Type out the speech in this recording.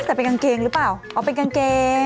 แต่เป็นกางเกงหรือเปล่าอ๋อเป็นกางเกง